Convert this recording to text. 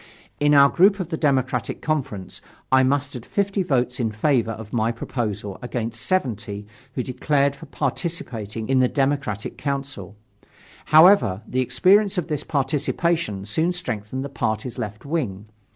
In our group of the Democratic Conference, I mustered 50 votes in favor of my proposal against 70 who declared for participating in the Democratic Council. However, the experience of this participation soon strengthened the party's left wing.